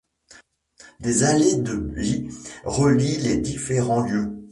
Des allées de buis relient les différents lieux.